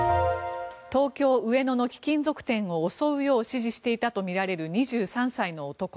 東京・上野の貴金属店を襲うよう指示していたとみられる２３歳の男。